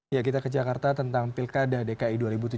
ya kita ke jakarta tentang pilkada dki dua ribu tujuh belas